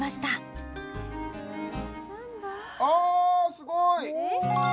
すごいお！